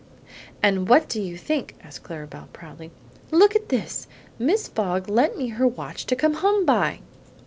"And what do you think?" asked Clara Belle proudly. "Look at this! Mrs. Fogg lent me her watch to come home by!"